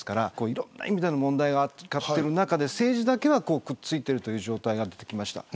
いろんな意味での問題がある中で政治だけは、くっついてる状態に続いてきました。